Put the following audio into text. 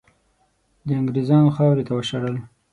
د انګریزانو خاورې ته وشړل.